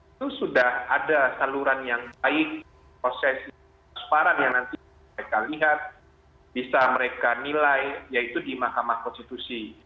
itu sudah ada saluran yang baik proses transparan yang nanti mereka lihat bisa mereka nilai yaitu di mahkamah konstitusi